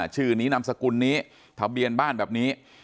ชื่อนี้นามสกุลนี้ทะเบียนบ้านแบบนี้